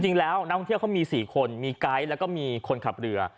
จริงแล้วนักท่องเที่ยวเขามี๔คนมีไกด์แล้วก็มีคนขับเรือ